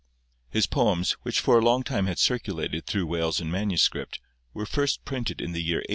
His poems, which for a long time had circulated through Wales in manuscript, were first printed in the year 1819.